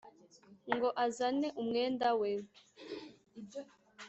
ngo azane umwenda we